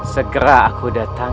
segera aku datang